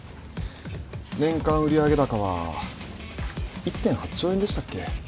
年間売上高は１．８兆円でしたっけ？